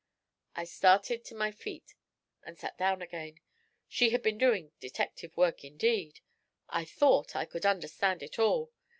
I started to my feet, and sat down again. She had been doing detective work indeed! I thought I could understand it all.